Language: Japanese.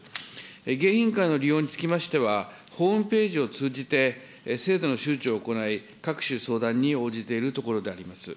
迎賓館の利用につきましては、ホームページを通じて、制度の周知を行い、各種相談に応じているところであります。